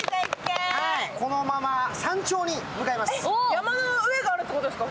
山の上があるってことですか？